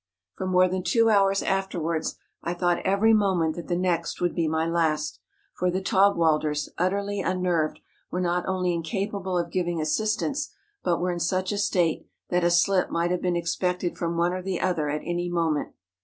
For more than two hours afterwards I thought every moment that the next would be my last; for the Taugwalders, utterly unnerved, were not only in¬ capable of giving assistance, but were in such a state that a slip might have been expected from one or the other at any moment.